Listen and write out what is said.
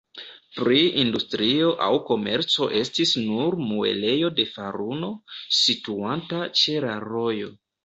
Pri industrio aŭ komerco estis nur muelejo de faruno, situanta ĉe la rojo.